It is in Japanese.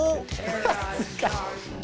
恥ずかしい！